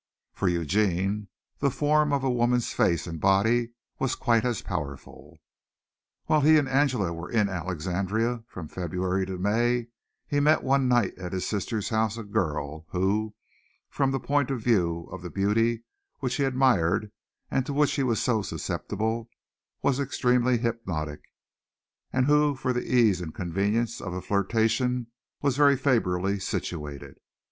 For Eugene the form of a woman's face and body was quite as powerful. While he and Angela were in Alexandria from February to May, he met one night at his sister's house a girl who, from the point of view of the beauty which he admired and to which he was so susceptible, was extremely hypnotic, and who for the ease and convenience of a flirtation was very favorably situated.